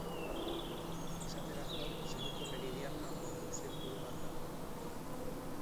Esaterako, zeruko meridianoa ordu-zirkulu bat da.